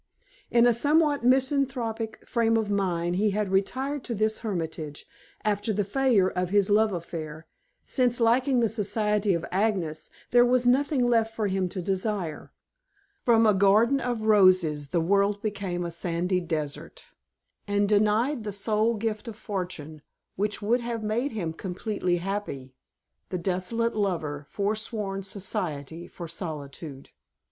In a somewhat misanthropic frame of mind he had retired to this hermitage, after the failure of his love affair, since, lacking the society of Agnes, there was nothing left for him to desire. From a garden of roses, the world became a sandy desert, and denied the sole gift of fortune, which would have made him completely happy, the disconsolate lover foreswore society for solitude.